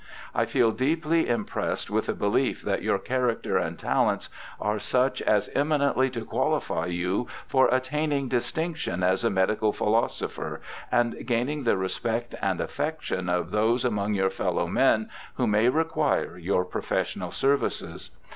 I feel deeply impressed with the belief that your character and talents are such as eminently to qualify you for attaining distinction as a medical philosopher and gaining the respect and affection of those among your fellow men who may require your professional services.